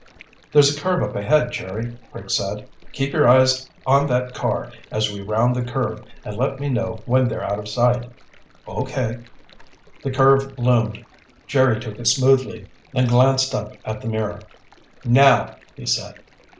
"There's a curve up ahead, Jerry," Rick said. "Keep your eyes on that car as we round the curve and let me know when they're out of sight." "Okay." The curve loomed. Jerry took it smoothly, then glanced up at the mirror. "Now," he said.